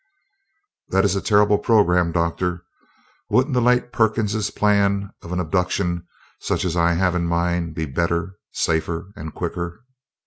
"That is a terrible program, Doctor. Wouldn't the late Perkins' plan of an abduction, such as I have in mind, be better, safer and quicker?"